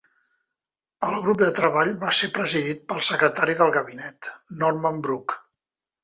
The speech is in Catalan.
El grup de treball va ser presidit pel secretari del gabinet, Norman Brook.